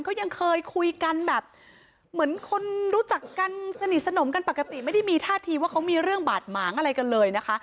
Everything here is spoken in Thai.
ก็ยังเคยคุยกันแบบเหมือนคนรู้จักกันสนิทสนมกันปกติไม่ได้มีท่าทีว่าเขามีเรื่องบาดหมางอะไรกันเลยนะคะ